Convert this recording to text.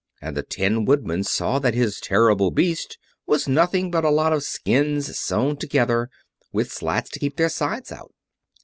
And the Tin Woodman saw that his terrible Beast was nothing but a lot of skins, sewn together, with slats to keep their sides out.